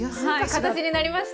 はい形になりました。